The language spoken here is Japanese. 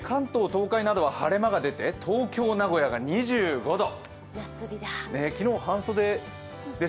東海などは晴れ間が出て東京、名古屋が２５度。